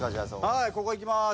はいここいきます。